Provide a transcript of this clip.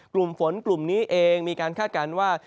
กลุ่มฝนกลุ่มนี้เองมีการคาดการณ์ว่า